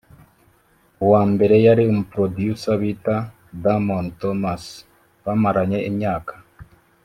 uwambere yari umu producer bita Damon Thomas bamaranye imyaka